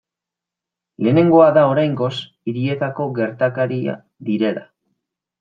Lehenengoa da oraingoz hirietako gertakaria direla.